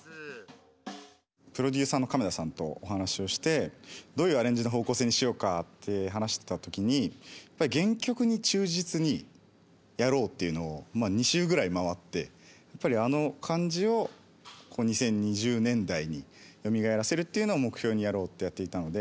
プロデューサーの亀田さんとお話をしてどういうアレンジの方向性にしようかって話してた時に原曲に忠実にやろうっていうのを２周ぐらい回ってやっぱりあの感じを２０２０年代によみがえらせるっていうのを目標にやろうってやっていたので。